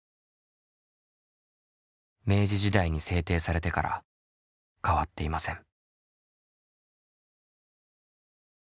明治時代に制定されてから変わっていません。